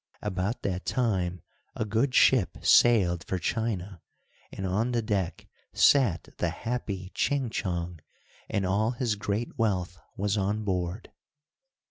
About that time a good ship sailed for China, and on the deck sat the happy Ching Chong, and all his great wealth was on board.